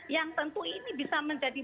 yang tentu ini bisa menjadi